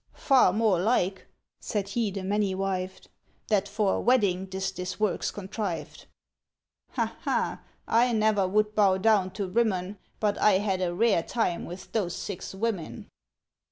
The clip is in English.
Far more like," said he the many wived, "That for a wedding 'tis this work's contrived. "Ha ha! I never would bow down to Rimmon, But I had a rare time with those six women!"